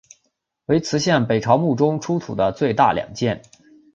为磁县北朝墓中出土最大的两件。